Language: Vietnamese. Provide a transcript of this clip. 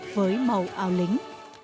với màu áo lính